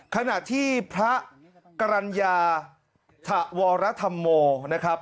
ขณะที่พระกรรณญาถวรธรรมโมนะครับ